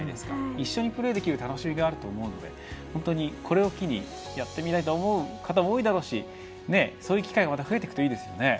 一緒にプレーできる楽しみがあると思うので本当にこれを機にやってみたいと思う方も多いだろうし、そういう機会が増えてくるといいですね。